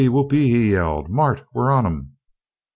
Whoopee!" he yelled. "Mart, we're on 'em!"